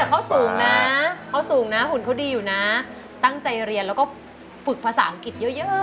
แต่เขาสูงนะเขาสูงนะหุ่นเขาดีอยู่นะตั้งใจเรียนแล้วก็ฝึกภาษาอังกฤษเยอะ